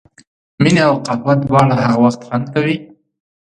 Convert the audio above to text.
مینه او قهوه دواړه هغه وخت خوند کوي.